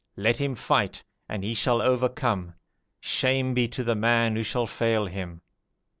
Let him fight, and he shall overcome: shame be to the man who shall fail him.'